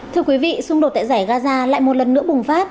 thưa quý vị xung đột tại giải gaza lại một lần nữa bùng phát